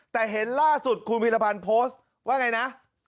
แต่เห็นล่าสุดคุณพิรพันธ์โพสต์ว่าไงนะ